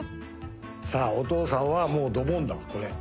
さあお父さんはもうドボンだわこれ。